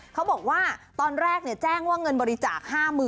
เขาบอกว่าตอนแรกแจ้งว่าเงินบริจาค๕๐๐๐